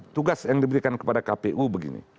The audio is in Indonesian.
tugas yang diberikan kepada kpu begini